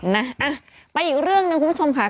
นะไปอีกเรื่องหนึ่งคุณผู้ชมค่ะ